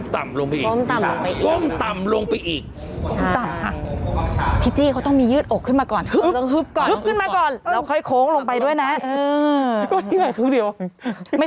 ต่อไปส่งหลักที่ความช้าขึ้นไปนะครับ